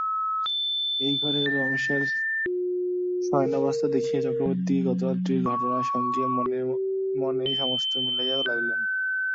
এই ঘরে রমেশের শয়নাবস্থা দেখিয়া চক্রবর্তী গতরাত্রির ঘটনার সঙ্গে মনে মনে সমস্তটা মিলাইয়া লইলেন।